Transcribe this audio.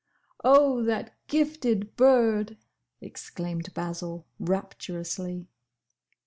"Oh, that gifted bird!" exclaimed Basil, rapturously.